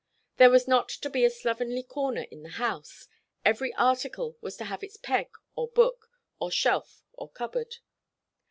There was not to be a slovenly corner in the house; every article was to have its peg or book, or shelf or cupboard.